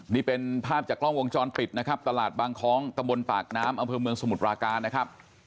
นี่เป็นภาพจากกล้องวงจรปิดนะครับตลาดบางคล้องตะบนปากน้ำอำเภอเมืองสมุทรปราการนะครับ